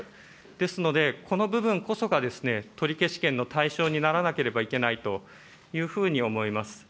ですので、この部分こそが、取消権の対象にならなければいけないというふうに思います。